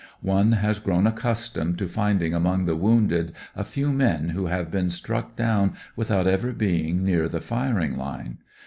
One has grown accustomed to finding among the wounded a few men who have been struck down without ever being near the firing line.